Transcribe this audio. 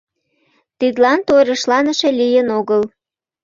Тидлан торешланыше лийын огыл.